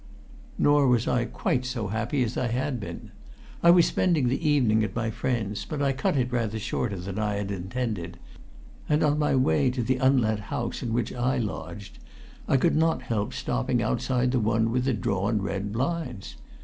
Nor was I quite so happy as I had been. I was spending the evening at my friend's, but I cut it rather shorter than I had intended; and on my way to the unlet house in which I lodged, I could not help stopping outside the one with the drawn red blinds.